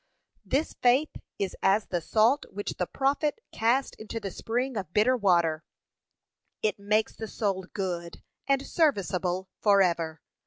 This faith is as the salt which the prophet cast into the spring of bitter water, it makes the soul good and serviceable for ever.